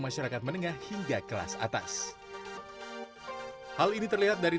masyarakat menengah hingga kelas atas hal ini terlihat dari pilihan yang diperlukan oleh masyarakat